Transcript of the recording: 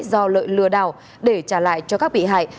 do lợi lừa đảo để trả lại cho các bị hại